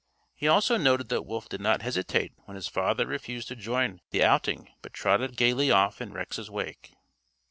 He also noted that Wolf did not hesitate when his father refused to join the outing but trotted gayly off in Rex's wake.